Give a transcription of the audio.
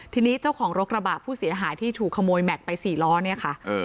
ทีนี้เจ้าของรถกระบะผู้เสียหายที่ถูกขโมยแม็กซ์ไป๔ล้อเนี่ยค่ะ